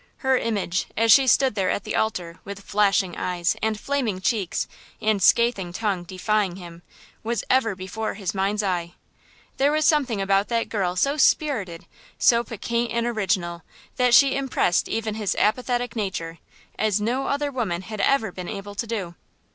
Her image, as she stood there at the altar with flashing eyes and flaming cheeks and scathing tongue defying him, was ever before his mind's eye. There was something about that girl so spirited, so piquant and original that she impressed even his apathetic nature as no other woman had ever been able to do.